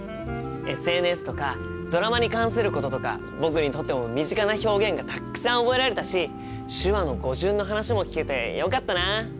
ＳＮＳとかドラマに関することとか僕にとっても身近な表現がたっくさん覚えられたし手話の語順の話も聞けてよかったな。